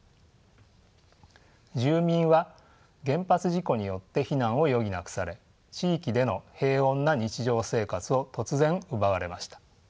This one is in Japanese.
住民は原発事故によって避難を余儀なくされ地域での平穏な日常生活を突然奪われました。